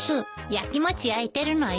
焼きもち焼いてるのよ。